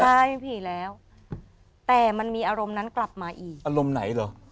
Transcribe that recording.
ใช่ผีแล้วแต่มันมีอารมณ์นั้นกลับมาอีกอารมณ์ไหนเหรอ